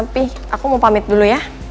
pih aku mau pamit dulu ya